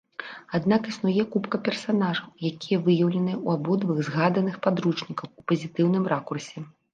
Аднак існуе купка персанажаў, якія выяўленыя ў абодвух згаданых падручніках у пазітыўным ракурсе.